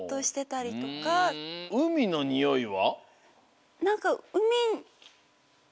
うみのにおいは？